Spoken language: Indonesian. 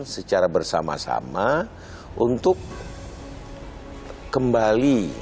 secara bersama sama untuk kembali